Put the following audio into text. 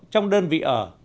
trong đơn vị ở